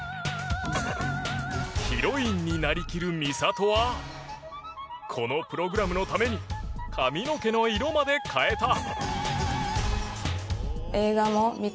ヒロインになりきる美里はこのプログラムのために髪の毛の色まで変えた。